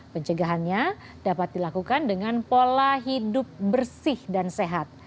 pencegahannya dapat dilakukan dengan pola hidup bersih dan sehat